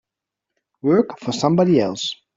Work for somebody else.